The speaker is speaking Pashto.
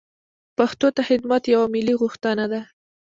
پښتو ته خدمت یوه ملي غوښتنه ده.